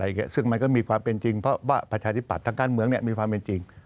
ซึ่งมันก็มีความเป็นจริงเพราะว่าประชาธิปัตย์ทางการเมืองเนี่ยมีความเป็นจริง